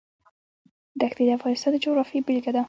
دښتې د افغانستان د جغرافیې بېلګه ده.